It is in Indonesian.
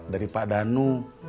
dari pak danu